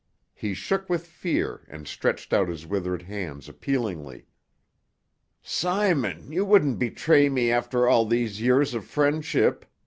He shook with fear and stretched out his withered hands appealingly. "Simon, you wouldn't betray me after all these years of friendship?"